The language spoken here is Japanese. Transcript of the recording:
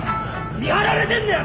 見張られてんだよ